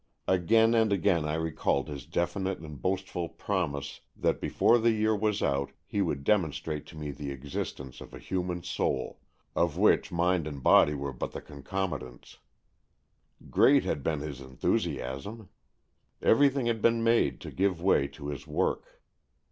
Again and again I recalled his definite and boastful promise that before the year was out he would demon strate to me the existence of a human soul, of which mind and body were but the con comitants. Great had been his enthusiasm. Everything had been made to give way to his work.